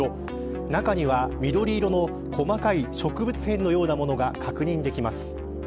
中には緑色の細かい植物片のようなものが確認できます。